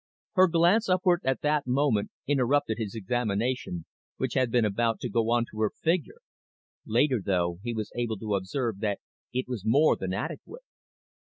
Her glance upward at that moment interrupted his examination, which had been about to go on to her figure. Later, though, he was able to observe that it was more than adequate.